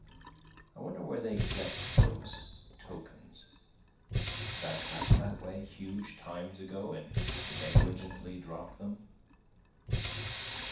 I wonder where they get those tokens, Did I pass that way huge times ago and negligently drop them?